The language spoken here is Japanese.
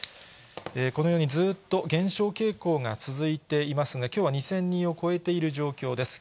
このようにずっと減少傾向が続いていますが、きょうは２０００人を超えている状況です。